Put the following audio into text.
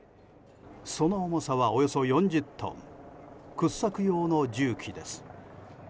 その重さはおよそ４０トン掘削用の重機です。